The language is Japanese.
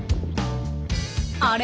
あれ？